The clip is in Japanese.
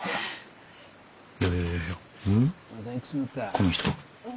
この人は？